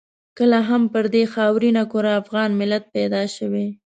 کله هم پر دې خاورینه کره افغان ملت پیدا شوی.